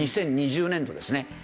２０２０年度ですね。